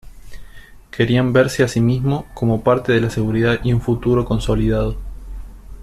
Querían verse a sí mismos como parte de la seguridad y un futuro consolidado.